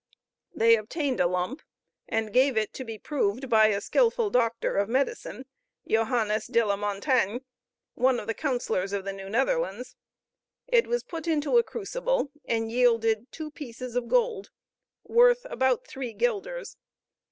They obtained a lump and gave it to be proved by a skillful doctor of medicine, Johannes de la Montagne, one of the councillors of the New Netherlands. It was put into a crucible, and yielded two pieces of gold worth about three guilders.